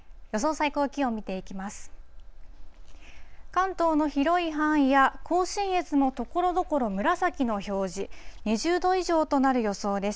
関東の広い範囲や、甲信越もところどころ紫の表示、２０度以上となる予想です。